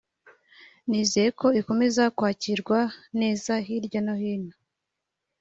nizeye ko ikomeza kwakirwa neza hirya no hino